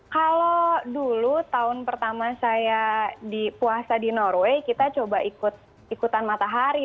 kalau dulu tahun pertama saya puasa di norway kita coba ikutan matahari